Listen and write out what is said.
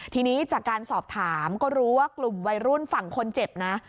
ทีนี้จากการสอบถามก็รู้ว่ากลุ่มวัยรุ่นฝั่งคนเจ็บนะ